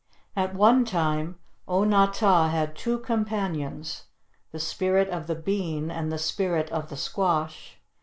At one time O na tah had two companions, the Spirit of the Bean and the Spirit of the Squash.